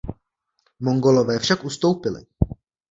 Mongolové však ustoupili.